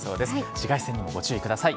紫外線にもご注意ください。